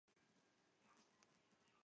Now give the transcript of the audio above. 无色有刺激腥臭味的液体。